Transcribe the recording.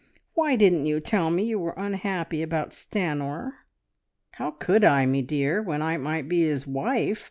Why didn't you tell me you were unhappy about Stanor?" "How could I, me dear, when I might be his wife?